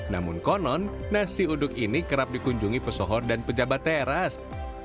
namun konon nasi uduk ini kerap dikunjungi pesohor dan pejabat teras